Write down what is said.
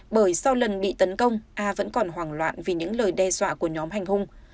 bởi sau lần bị tấn công a vẫn còn hoảng loạn vì những lời đe dọa của nhóm hành hung